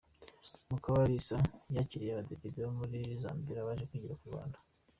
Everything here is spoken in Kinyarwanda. Mukabalisa yakiriye abadepite bo muri Zambia baje kwigira ku Rwanda .